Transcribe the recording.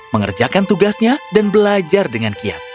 mengerjakan tugasnya dan belajar dengan kiat